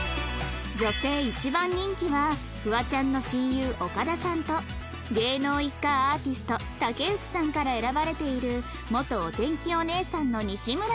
女性一番人気はフワちゃんの親友岡田さんと芸能一家アーティスト竹内さんから選ばれている元お天気お姉さんの西村さん